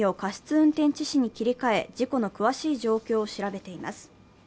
運転致死に切り替え、事故の詳しい状況を調べています。